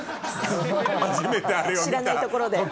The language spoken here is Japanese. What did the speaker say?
ハハハ知らないところで。